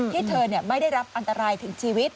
ที่เธอไม่ได้รับอันตรายถึงชีวิต